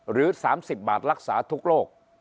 หรือ๓๐บาทรักษาทุกโรค